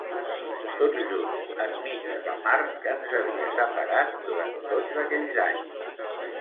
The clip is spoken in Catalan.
Tots junts enmig de la mar que ens havia separat durant tots aquells anys.